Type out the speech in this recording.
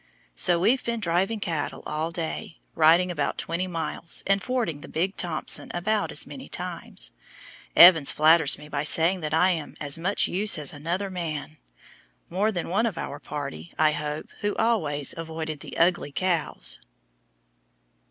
So we've been driving cattle all day, riding about twenty miles, and fording the Big Thompson about as many times. Evans flatters me by saying that I am "as much use as another man"; more than one of our party, I hope, who always avoided the "ugly" cows.